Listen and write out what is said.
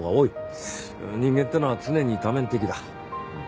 人間っていうのは常に多面的だ。